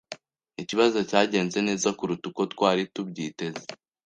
Ikibazo cyagenze neza kuruta uko twari tubyiteze.